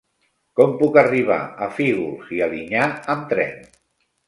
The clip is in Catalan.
Com puc arribar a Fígols i Alinyà amb tren?